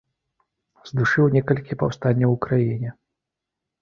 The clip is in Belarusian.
Здушыў некалькі паўстанняў у краіне.